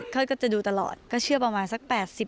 ก็จะดูตลอดก็เชื่อประมาณสัก๘๐